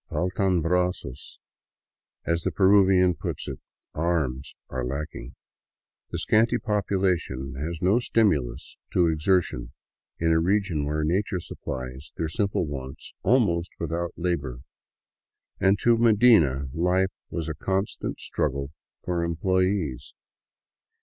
" Faltan brazos," as the Peruvian puts it ;" arms " are lacking. The scanty population has no stimulus to exertion in a region where nature supplies their simple wants almost without labor, and to Medina life was a constant struggle for em ployees.